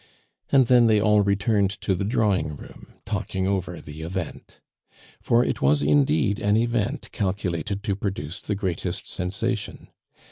And then they all returned to the drawing room, talking over the event. For it was indeed an event calculated to produce the greatest sensation.